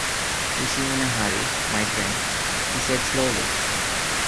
“You seem in a hurry, my friend,” he said slowly.